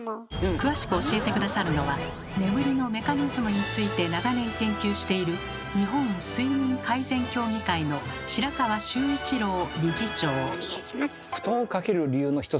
詳しく教えて下さるのは眠りのメカニズムについて長年研究している布団をかける理由の一つはですね